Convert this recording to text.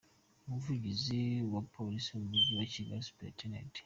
Umuvugizi waPolisi mu Mujyi wa Kigali, Sup.